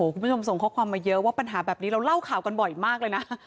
คุณผู้ชมส่งข้อความมาเยอะว่าปัญหาแบบนี้เราเล่าข่าวกันบ่อยมากเลยนะ